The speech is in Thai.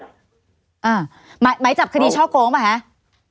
หมายจับคดีช่อโกงป่ะคะ